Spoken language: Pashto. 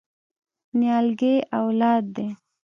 نیالګی اولاد دی؟